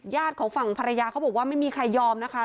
ของฝั่งภรรยาเขาบอกว่าไม่มีใครยอมนะคะ